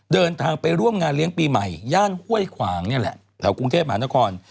เดินทางไปร่วมงานเลี้ยงปีใหม่ย่านห้วยขวางนี่แหละแถวกรุงเทพมหานคร